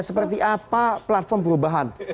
seperti apa platform perubahan